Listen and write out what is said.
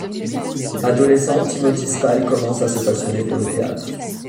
Adolescent, Timothy Spall commence à se passionner pour le théâtre.